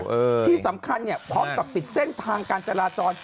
ที่สำคัญเนี่ยพร้อมกับปิดเส้นทางการจราจร